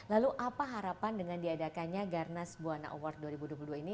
lalu apa harapan dengan diadakannya garnas buana award dua ribu dua puluh dua ini